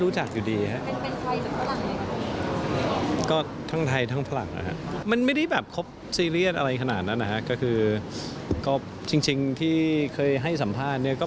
จริงที่เคยให้สัมภาษณ์เนี่ย